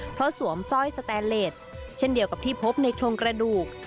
เพราะสวมสร้อยสแตนเลสเช่นเดียวกับที่พบในโครงกระดูก